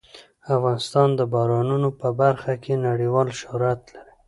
افغانستان د بارانونو په برخه کې نړیوال شهرت لري.